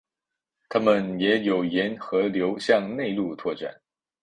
它们也有沿河流向内陆扩展。